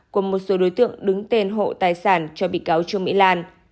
của một số đối tượng đứng tên hộ tài sản cho bị cáo trương mỹ lan